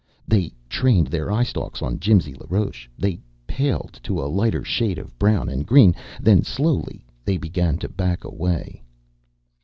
They trained their eye stalks on Jimsy LaRoche, they paled to a lighter shade of brown and green, then slowly they began to back away.